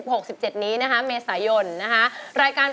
เพลงที่เจ็ดเพลงที่แปดแล้วมันจะบีบหัวใจมากกว่านี้